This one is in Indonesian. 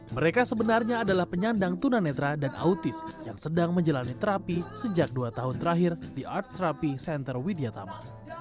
mereka sebenarnya adalah penyandang tunanetra dan autis yang sedang menjalani terapi sejak dua tahun terakhir di art terapi center widyatama